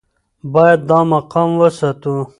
باید دا مقام وساتو.